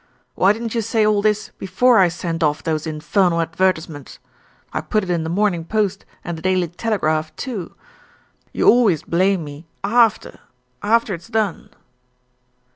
"Why didn't you say all this before I sent off those infernal advertisements. I put it in The Morning Post and The Daily Telegraph, too. You always blame me after after it's done."